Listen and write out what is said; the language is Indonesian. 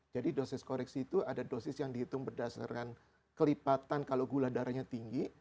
jadi dosis koreksi itu ada dosis yang dihitung berdasarkan kelipatan kalau gula darahnya tinggi